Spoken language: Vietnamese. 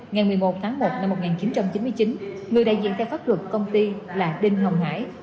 ngày một mươi một tháng một năm một nghìn chín trăm chín mươi chín người đại diện theo pháp luật công ty là đinh hồng hải